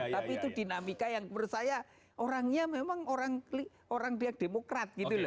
tapi itu dinamika yang menurut saya orangnya memang orang biak demokrat gitu loh